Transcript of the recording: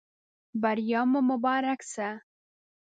بریا مو مبارک شه.